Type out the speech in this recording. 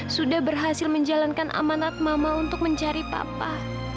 sudah berhasil menjalankan amanat mama untuk mencari papa